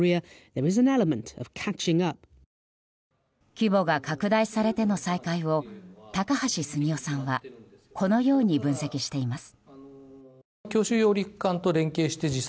規模が拡大されての再開を高橋杉雄さんはこのように分析しています。